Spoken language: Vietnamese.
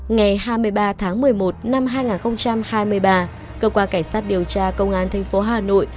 ngày hai mươi ba tháng một mươi một năm hai nghìn hai mươi ba cơ quan cảnh sát điều tra công an thành phố hà nội